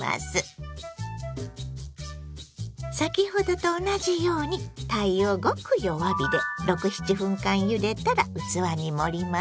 先ほどと同じようにたいをごく弱火で６７分間ゆでたら器に盛ります。